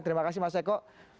terima kasih mas eko